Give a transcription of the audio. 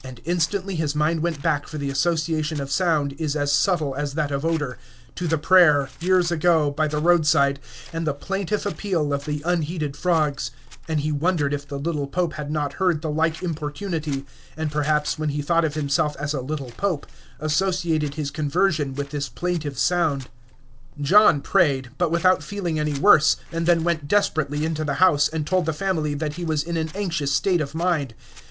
And instantly his mind went back for the association of sound is as subtle as that of odor to the prayer, years ago, by the roadside and the plaintive appeal of the unheeded frogs, and he wondered if the little Pope had not heard the like importunity, and perhaps, when he thought of himself as a little Pope, associated his conversion with this plaintive sound. John prayed, but without feeling any worse, and then went desperately into the house, and told the family that he was in an anxious state of mind.